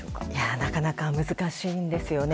なかなか難しいんですよね。